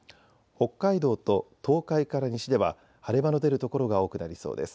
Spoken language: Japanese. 北海道と東海から西では晴れ間の出る所が多くなりそうです。